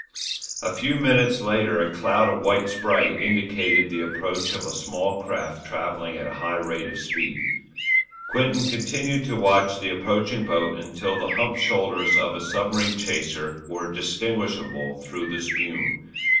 A few minutes later a cloud of white spray indicated the approach of a small craft travelling at a high rate of speed. Quinton continued to watch the approaching boat until the humped shoulders of a submarine chaser were distinguishable through the spume.